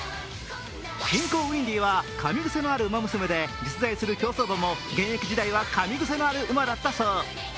シンコウウインディはかみ癖のあるウマ娘で実在する競走馬も現役時代はかみ癖のある馬だったそう。